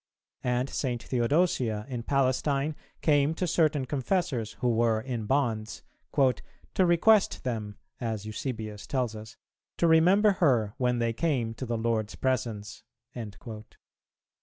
And St. Theodosia in Palestine came to certain confessors who were in bonds, "to request them," as Eusebius tells us, "to remember her when they came to the Lord's Presence."